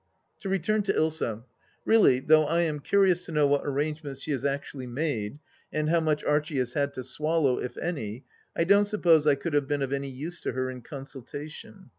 To return to Ilsa. Really, though I am curious to know what arrangements she has actually made, and how much Archie has had to swallow, if any, I don't suppose I could have been of any use to her in consultation.